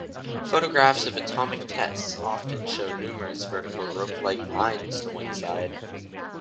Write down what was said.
Photographs of atomic tests often show numerous vertical rope-like lines to one side.